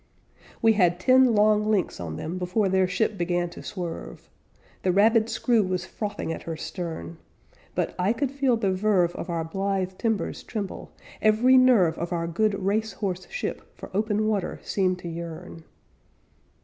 We had ten long lengths on them Before their ship began to swerve. The rabid screw was frothing at her stern; But I could feel the verve Of our blithe timbers tremble; every nerve Of our good race horse ship For open water seemed to yearn.